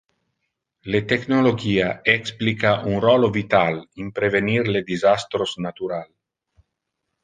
Le technologia explica un rolo vital in prevenir le disastros natural.